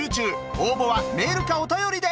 応募はメールかお便りで！